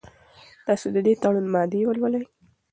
تاسي د دې تړون مادې ولولئ.